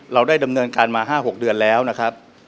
เราได้ดำเนินการมา๕๖เดือนแล้วนะครับ